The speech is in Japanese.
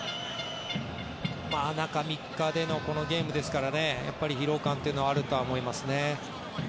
中３日でのこのゲームですからね疲労感というのはあると思いますね。